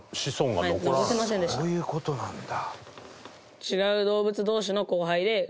伊達：そういう事なんだ。